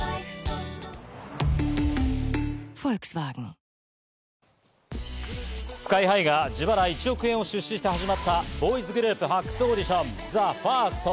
佐藤先生、本日はありがとうござＳＫＹ−ＨＩが自腹１億円を出資して始まった、ボーイズグループ発掘オーディション、ＴＨＥＦＩＲＳＴ。